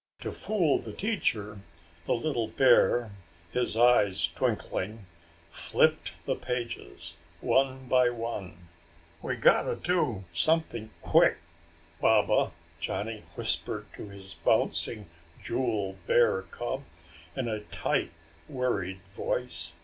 To fool the teacher, the little bear, his eyes twinkling, flipped the pages one by one. "We gotta do something quick, Baba!" Johnny whispered to his bouncing, jewel bear cub in a tight worried voice.